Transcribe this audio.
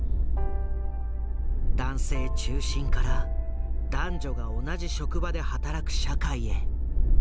男性中心から男女が同じ職場で働く社会へ。